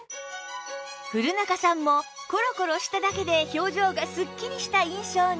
古仲さんもコロコロしただけで表情がスッキリした印象に